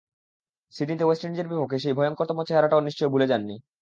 সিডনিতে ওয়েস্ট ইন্ডিজের বিপক্ষে তাঁর সেই ভয়ংকরতম চেহারাটাও নিশ্চয়ই ভুলে যাননি।